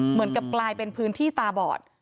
เหมือนกับกลายเป็นพื้นที่ตาบอด